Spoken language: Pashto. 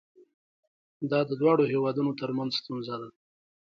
دا د دواړو هیوادونو ترمنځ ستونزه ده.